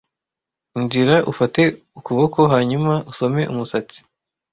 Injira ufate ukuboko hanyuma usome umusatsi.